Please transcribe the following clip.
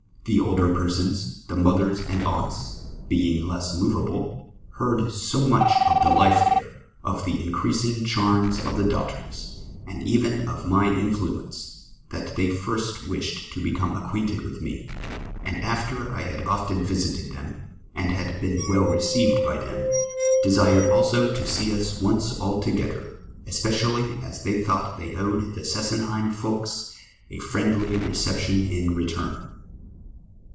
'J'he older persons, the mothers and aunts, being less moveable, heard so much of the life there, of the increasing charms of the daughters, and even of my influ ence, that they first wished to become acquainted with me, and after I had often visited them, and had been well received by them, desired also to see us once altogether, especially as they thought they owed the Sesenheim folks a friendly receptioa in reiiUTi.